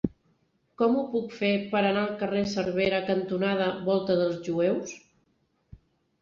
Com ho puc fer per anar al carrer Cervera cantonada Volta dels Jueus?